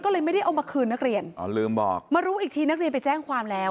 ก็เลยไม่ได้เอามาคืนนักเรียนอ๋อลืมบอกมารู้อีกทีนักเรียนไปแจ้งความแล้ว